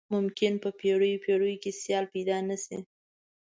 ممکن په پیړیو پیړیو یې سیال پيدا نه شي.